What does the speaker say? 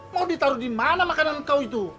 mau ditaruh di mana makanan kau itu